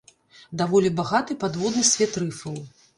Даволі багаты падводны свет рыфаў.